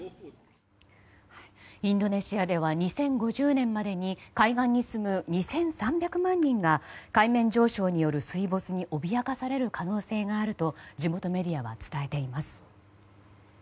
インドネシアでは２０５０年までに海岸に住む２３００万人が海面上昇による水没に脅かされる可能性があると地元メディアは伝えています。